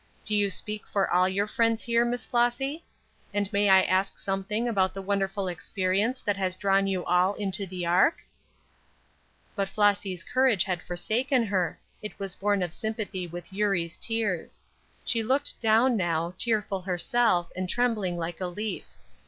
Do you speak for all your friends here, Miss Flossy? And may I ask something about the wonderful experience that has drawn you all into the ark?" But Flossy's courage had forsaken her; it was born of sympathy with Eurie's tears. She looked down now, tearful herself, and trembling like a leaf.